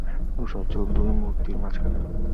ধূসর চুল, দুই মূর্তির মাঝখানে।